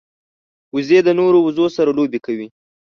وزې د نورو وزو سره لوبې کوي